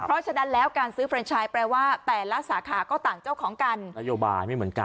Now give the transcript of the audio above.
เพราะฉะนั้นแล้วการซื้อเฟรนชายแปลว่าแต่ละสาขาก็ต่างเจ้าของกัน